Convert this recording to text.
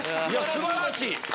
素晴らしい！